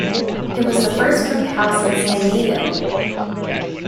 It was the first brick house in San Diego.